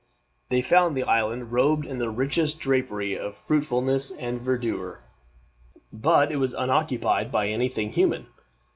They found the island robed in the richest drapery of fruitfulness and verdure, but it was unoccupied by any thing human.